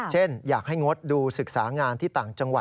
เช่นอยากให้งดดูศึกษางานที่ต่างจังหวัด